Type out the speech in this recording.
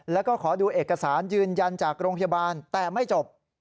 แล้วก็ขอดูเอกสารยืนยันจากโรงพยาบาลแต่ไม่จบ